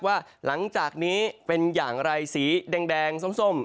ว่าหลังจากนี้เป็นอย่างไรสีแดงส้ม